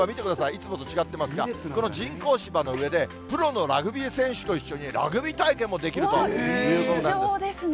いつもと違ってますが、この人工芝の上で、プロのラグビー選手と一緒にラグビー体験もできるとい貴重ですね。